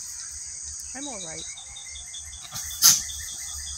I'm all right.